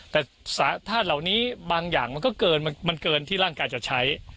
แต่ธาตุเหล่านี้บางอย่างมันก็เกินมันเกินที่ร่างกายจะใช้